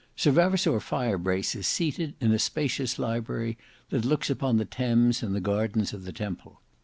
Sir Vavasour Firebrace is seated in a spacious library that looks upon the Thames and the gardens of the Temple.